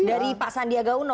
dari pak sandiaga uno